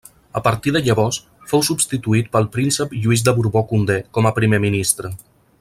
A partir de llavors, fou substituït pel príncep Lluís de Borbó-Condé com a primer ministre.